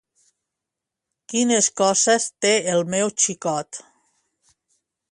Quines coses té el meu xicot